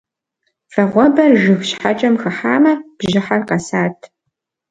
Вагъуэбэр жыг щхьэкӏэм хыхьамэ бжьыхьэр къэсат.